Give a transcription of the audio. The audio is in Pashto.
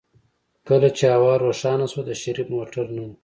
کله چې هوا روښانه شوه د شريف موټر نه و.